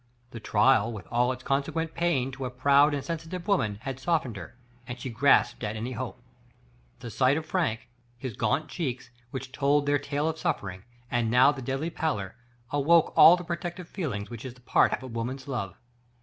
The trial, with all its con sequent pain to a proud and sensitive woman, had softened her, and she grasped at any hope. The Digitized by Google tii THE FATE OP PENELLA, sight of Frank, his gaunt cheeks, which told their tale of sufifering, and now the deadly pallor, awoke all the protective feeling which is a part of a woman's love.